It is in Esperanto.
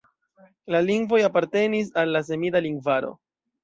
La lingvoj apartenis al la semida lingvaro.